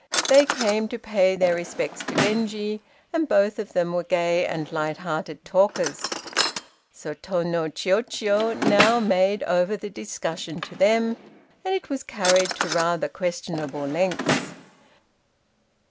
They came to pay their respects to Genji, and both of them were gay and light hearted talkers. So Tô no Chiûjiô now made over the discussion to them, and it was carried to rather questionable lengths.